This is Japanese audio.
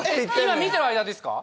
今見てる間ですか？